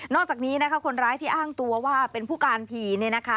อกจากนี้นะคะคนร้ายที่อ้างตัวว่าเป็นผู้การผี